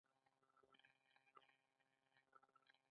د آزاد خان مقاومت ځپلی.